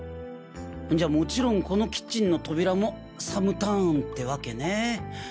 んじゃもちろんこのキッチンの扉もサムターンってわけね。